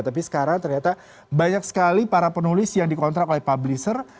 tapi sekarang ternyata banyak sekali para penulis yang dikontrak oleh publisher